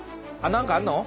何かあんの？